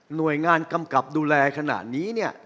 หน่วยงานกำกับดูแลขณะนี้เนี่ย